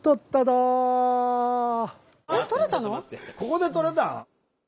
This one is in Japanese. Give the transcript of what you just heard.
ここでとれたん？